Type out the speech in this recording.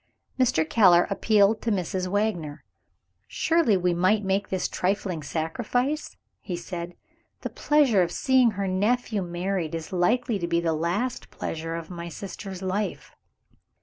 Mr. Keller appealed to Mrs. Wagner. "Surely, we might make this trifling sacrifice?" he said. "The pleasure of seeing her nephew married is likely to be the last pleasure of my sister's life."